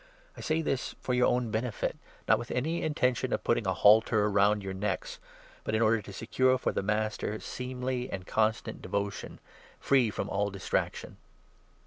I say 35 this for your own benefit, not with any intention of putting a halter round your necks, but in order to secure for the Master seemly and constant devotion, free from all distraction.